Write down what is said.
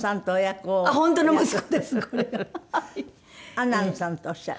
アナンさんとおっしゃる。